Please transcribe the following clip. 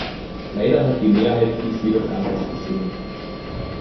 Leider hat die Mehrheit dies jedoch anders gesehen.